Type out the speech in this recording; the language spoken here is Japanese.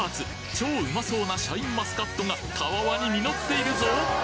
超うまそうなシャインマスカットがたわわに実っているぞ！